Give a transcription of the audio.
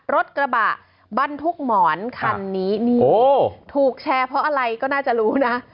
รถกระบะบรรทุกหมอนคันนี้นี่ถูกแชร์เพราะอะไรก็น่าจะรู้นะ